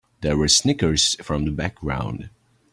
There were snickers from the background.